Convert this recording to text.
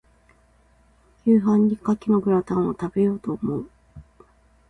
夕飯に牡蠣のグラタンを、食べようと思う。